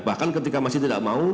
bahkan ketika masih tidak mau